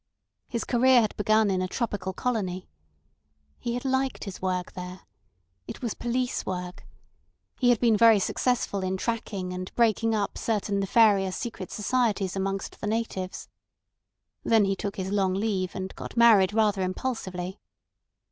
His career had begun in a tropical colony. He had liked his work there. It was police work. He had been very successful in tracking and breaking up certain nefarious secret societies amongst the natives. Then he took his long leave, and got married rather impulsively.